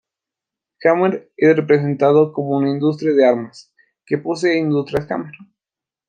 Hammer es representado como un industrial de armas que posee Industrias Hammer.